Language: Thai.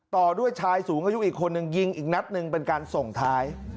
ต่อด้วยชายสูงอายุอีกคนนึงยิงอีกนัดหนึ่งเป็นการส่งท้าย